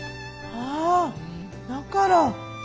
あだから！